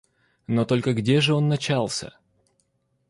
Но только где же он начался?